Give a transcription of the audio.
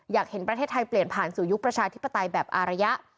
อยากเห็นประเทศไทยเปลี่ยนผ่านสู่ยุคประชาธิปไตยแบบอารยะ